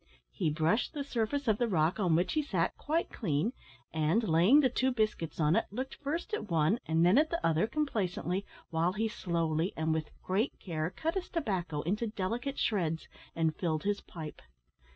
He brushed the surface of the rock on which he sat quite clean, and, laying the two biscuits on it, looked first at one and then at the other complacently, while he slowly, and with great care, cut his tobacco into delicate shreds, and filled his pipe.